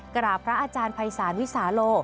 กะหลาพระอาจารย์ภัยสารวิาโล่